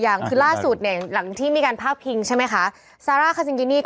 ให้ผู้จักรไปว่าไว้